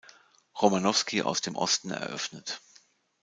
Romanowski aus dem Osten eröffnet.